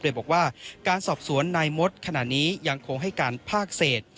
โดยบอกว่าการสอบสวนนายมดขณะนี้ยังคงให้การภาคเศษ